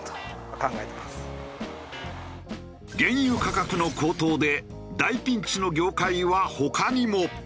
原油価格の高騰で大ピンチの業界は他にも。